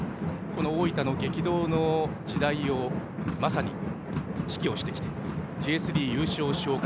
大分の激動の時代をまさに指揮をしてきてＪ３優勝して昇格。